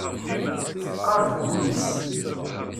Teqqar deg wul-is.